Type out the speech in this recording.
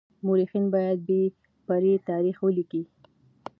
مورخين بايد بې پرې تاريخ وليکي.